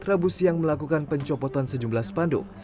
rabu siang melakukan pencopotan sejumlah spanduk